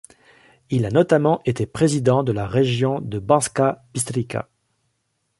Il a notamment été président de la région de Banská Bystrica.